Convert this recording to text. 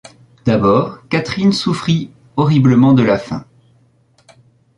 D’abord, Catherine souffrit horriblement de la faim.